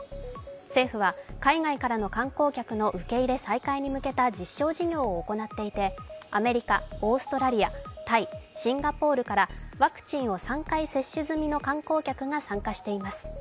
政府は海外からの観光客の受け入れ再開に向けた実証事業を行っていて、アメリカ、オーストラリア、タイ、シンガポールからワクチンを３回接種済みの観光客が参加しています。